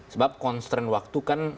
sebab constraint waktu kan